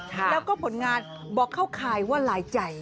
แล้วก็ผลงานบอกเข้าคายว่าหลายใจ